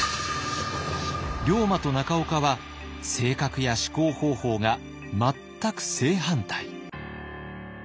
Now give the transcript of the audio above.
龍馬と中岡は性格や思考方法が全く正反対。